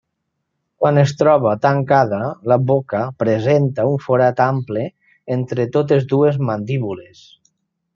Quan es troba tancada, la boca presenta un forat ample entre totes dues mandíbules.